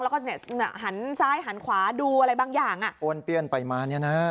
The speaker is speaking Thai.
แล้วก็เนี่ยหันซ้ายหันขวาดูอะไรบางอย่างอ่ะป้วนเปี้ยนไปมาเนี่ยนะ